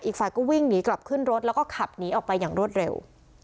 อีกฝ่ายก็วิ่งหนีกลับขึ้นรถแล้วก็ขับหนีออกไปอย่างรวดเร็ว